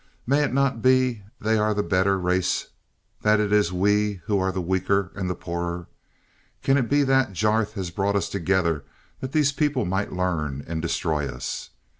May it not be they are the better race that it is we who are the weaker and the poorer? Can it be that Jarth has brought us together that these people might learn and destroy us?